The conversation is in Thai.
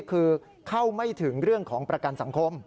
คือเข้าไม่ถึงเรื่องของประกันสังคม